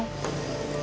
tiba tiba udah kepotong